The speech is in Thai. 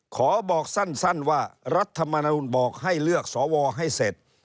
ขอบอกสั้นว่ารัฐมนุนบอกให้เลือกสวให้เสร็จ